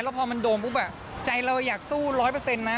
พอมันโดนปุ๊บใจเราอยากสู้ร้อยเปอร์เซ็นต์นะ